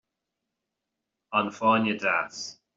An fáinne deas